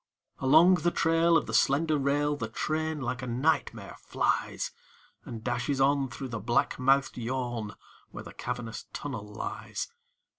Along the trail Of the slender rail The train, like a nightmare, flies And dashes on Through the black mouthed yawn Where the cavernous tunnel lies.